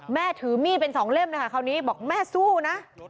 ถือมีดเป็นสองเล่มเลยค่ะคราวนี้บอกแม่สู้นะ